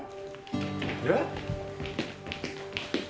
えっ？